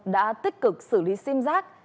đã tích cực xử lý sim giác